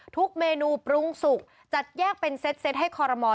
ทุกเมนูปรุงสุกจัดแยกเป็นเซ็ตให้คอรมอล